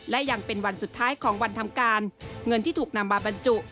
และยังเป็นวันสุดท้ายของวันทำการเงินที่ถูกนำมาบรรจุ